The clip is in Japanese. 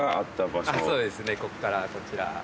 ここからこちら。